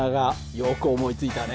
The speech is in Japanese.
よく思いついたね。